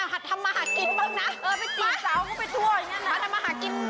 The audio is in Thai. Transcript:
เออไปจีบสาวเขาไปทั่วอย่างนี้นะ